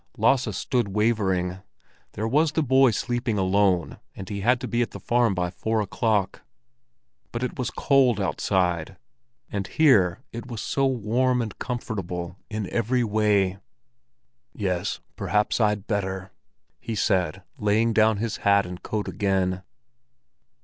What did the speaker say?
Lasse stood wavering. There was the boy sleeping alone, and he had to be at the farm by four o'clock; but it was cold outside, and here it was so warm and comfortable in every way. "Yes, perhaps I'd better," he said, laying down his hat and coat again.